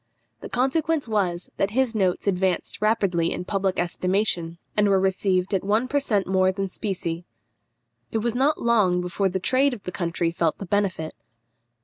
The consequence was, that his notes advanced rapidly in public estimation, and were received at one per cent more than specie. It was not long before the trade of the country felt the benefit.